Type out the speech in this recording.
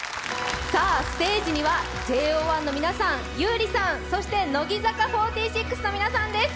ステージにはＪＯ１の皆さん、優里さん、そして乃木坂４６の皆さんです。